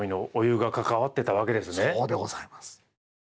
そうでございます。